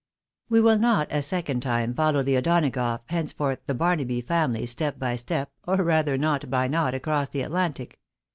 We will not a second time follow the O'Donagough — henceforth the Barnaby — family step by step, or rather knot by knot, across the Atlantic.